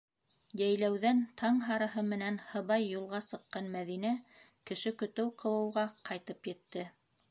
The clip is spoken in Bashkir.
Йәйләүҙән таң һарыһынан һыбай юлға сыҡҡан Мәҙинә кеше көтөү ҡыуыуға ҡайтып етте.